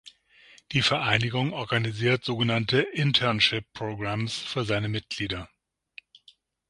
Die Vereinigung organisiert sogenannte Internship Programs für seine Mitglieder.